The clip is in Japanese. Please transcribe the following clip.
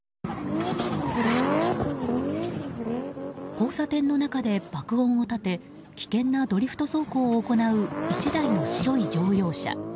交差点の中で爆音を立て危険なドリフト走行を行う１台の白い乗用車。